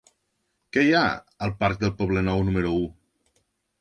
Què hi ha al parc del Poblenou número u?